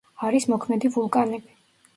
არის მოქმედი ვულკანები.